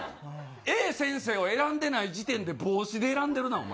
Ａ先生を選んでない時点で帽子を選んでるな。